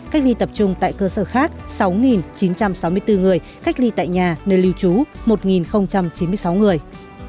cách ly tập trung tại cơ sở khác sáu chín trăm sáu mươi bốn người cách ly tại nhà nơi lưu trú một chín mươi sáu người